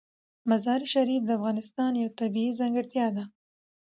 مزارشریف د افغانستان یوه طبیعي ځانګړتیا ده.